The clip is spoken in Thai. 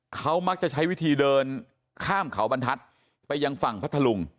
เขามักจะใช้วิธีเดินข้ามเขาบรรทัศน์ไปยังฝั่งพัทธลุง